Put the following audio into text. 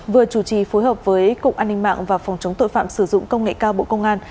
vừa chủ trì phối hợp với cục an ninh mạng và phòng chống tội phạm sử dụng công nghệ cao bộ công an